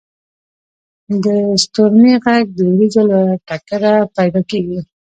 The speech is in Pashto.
• د ستورمې ږغ د ورېځو له ټکره پیدا کېږي.